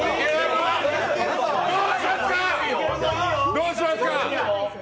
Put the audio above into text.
どうしますか！？